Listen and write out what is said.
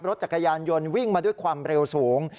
รถจักรยานยนต์วิ่งมาด้วยความเร็วสูง